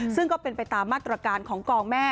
ซึ่งก็เป็นไปตามมาตรการของกองแม่